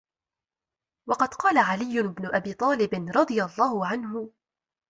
وَقَدْ قَالَ عَلِيُّ بْنُ أَبِي طَالِبٍ رَضِيَ اللَّهُ عَنْهُ